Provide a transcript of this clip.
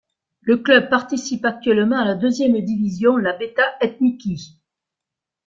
Le club participe actuellement à la deuxième division, la Beta Ethniki.